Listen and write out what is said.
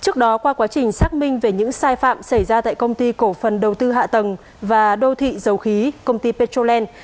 trước đó qua quá trình xác minh về những sai phạm xảy ra tại công ty cổ phần đầu tư hạ tầng và đô thị dầu khí công ty petroland